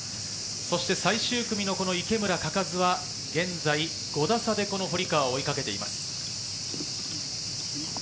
そして最終組の池村、嘉数は現在５打差で堀川を追いかけています。